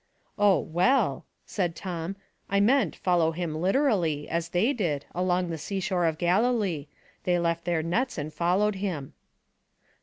"'*' Oh, well," said Tom, • I meant follow him literally, as they did, along the sea shore of Gali lee ; they left their nets and followed him."